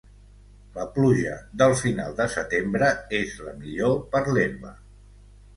La pluja del final de setembre és la millor per l'herba.